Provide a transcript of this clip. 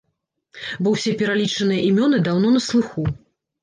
Бо ўсе пералічаныя імёны даўно на слыху.